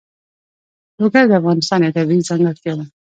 لوگر د افغانستان یوه طبیعي ځانګړتیا ده.